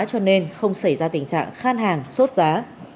cho nên không xảy ra tình trạng khan hàng sốt giá